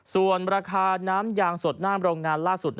ส่วนราคาน้ำยางสดหน้าโรงงานล่าสุด